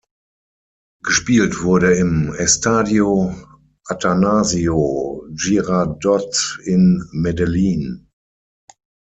Gespielt wurde im Estadio Atanasio Girardot, in Medellín.